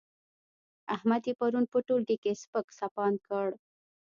احمد يې پرون په ټولګي کې سپک سپاند کړ.